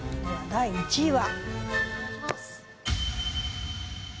第２位は。